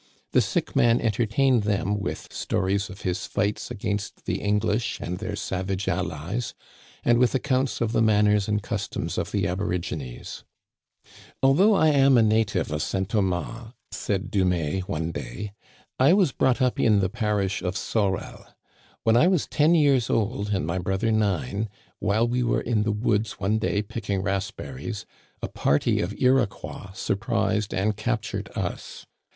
The sick man entertained them with stories of his fights against the English and their savage allies, and with accounts of the manners and customs of the aborigines. Although I am a native of St. Thomas," said Du mais one day, " I was brought up in the parish of Sorel. When I was ten years old and my brother nine, while we were in the woods one day picking raspberries a party of Iroquois surprised and captured us.